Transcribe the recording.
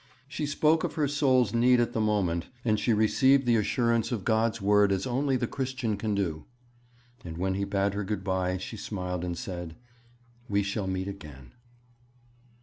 'She spoke of her soul's need at the moment, and she received the assurance of God's word as only the Christian can do'; and when he bade her 'good bye' she smiled and said, 'We shall meet again.'